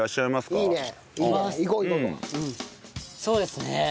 そうですね。